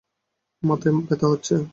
মাথায় ব্যথা হচ্ছে।